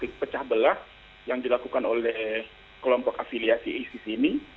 pecah belah yang dilakukan oleh kelompok afiliasi isis ini